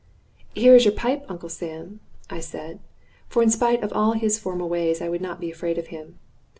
"Here is your pipe, Uncle Sam," I said; for, in spite of all his formal ways, I would not be afraid of him.